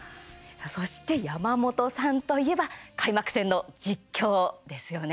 そして山本さんといえば開幕戦の実況ですよね。